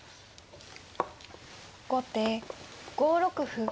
後手５六歩。